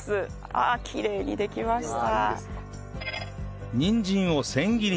ああきれいにできました。